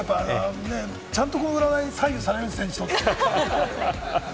ちゃんと占いに左右されるんですね、人って。